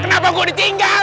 kenapa gua ditinggal